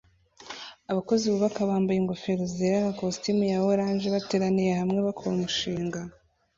Abakozi bubaka bambaye ingofero zera na kositimu ya orange bateraniye hamwe bakora umushinga